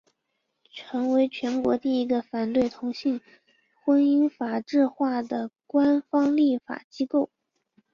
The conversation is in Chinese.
成为全国第一个反对同性婚姻法制化的官方立法机构。